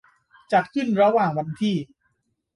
จัดขึ้นระหว่างวันที่